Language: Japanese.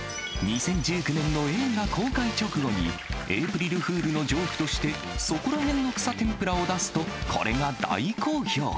２０１９年の映画公開直後に、エープリルフールのジョークとして、そこらへんの草てんぷらを出すと、これが大好評。